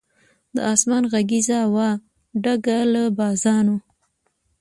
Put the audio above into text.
د آسمان غېږه وه ډکه له بازانو